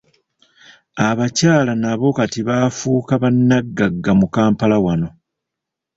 Abakyala n’abo kati bafuuka bannaggagga mu Kampala wano.